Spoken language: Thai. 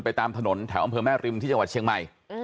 ตามถนนแถวอำเภอแม่ริมที่จังหวัดเชียงใหม่